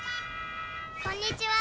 「こんにちは」